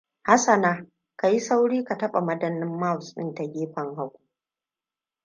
Hassanna: ka yi sauri ka taɓa madannin mouse ɗin ta gefen hagu.